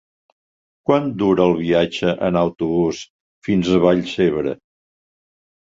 Quant dura el viatge en autobús fins a Vallcebre?